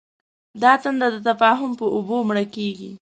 دا تنده د تفاهم په اوبو مړ کېږي.